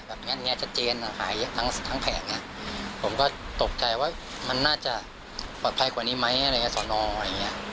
แบบอย่างเงี้ยชัดเจนหายทั้งแผงผมก็ตกใจว่ามันน่าจะปลอดภัยกว่านี้ไหมสอนอมอะไรอย่างเงี้ย